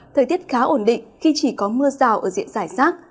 thời tiết khá ổn định khi chỉ có mưa rào ở diện giải rác